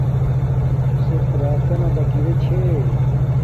کسک راکانا باکیرے چھے